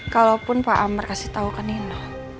kalaupun pak amar kasih tahu ke nino